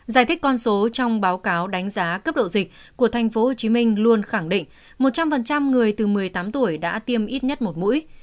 giải thích con số trong báo cáo đánh giá cấp độ dịch của tp hcm luôn khẳng định một trăm linh người từ một mươi tám tuổi đã tiêm ít nhất một mũi